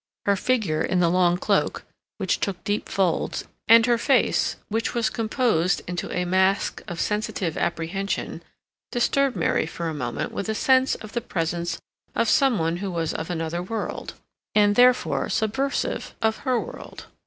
Her figure in the long cloak, which took deep folds, and her face, which was composed into a mask of sensitive apprehension, disturbed Mary for a moment with a sense of the presence of some one who was of another world, and, therefore, subversive of her world.